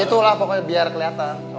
itulah pokoknya biar kelihatan